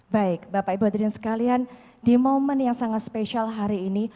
baik bapak ibu hadirin sekalian di momen yang sangat spesial hari ini